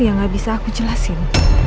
yang gak bisa aku jelasin